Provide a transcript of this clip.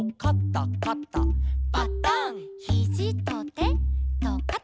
「パタン」「ヒジとてとかた」